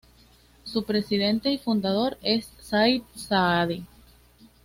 Su presidente y fundador es Saïd Saadi.